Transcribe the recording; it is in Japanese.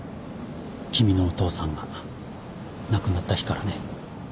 君のお父さんが亡くなった日からね。